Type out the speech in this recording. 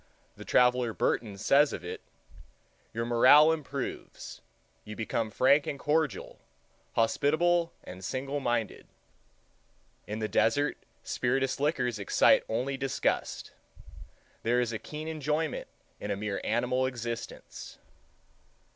The traveler Burton says of it—"Your morale improves; you become frank and cordial, hospitable and single minded.... In the desert, spirituous liquors excite only disgust. There is a keen enjoyment in a mere animal existence."